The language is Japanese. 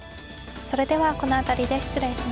それではこの辺りで失礼します。